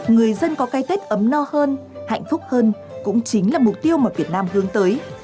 người dân có cái tết ấm no hơn hạnh phúc hơn cũng chính là mục tiêu mà việt nam hướng tới